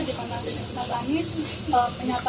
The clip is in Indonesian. di mana mas ami menyatakan itu adalah hasil penghitungan pak ibu